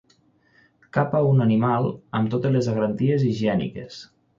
Capa un animal amb totes les garanties higièniques.